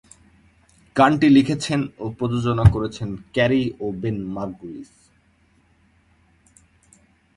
গানটি লিখেছেন ও প্রযোজনা করেছেন ক্যারি ও বেন মার্গুলিস।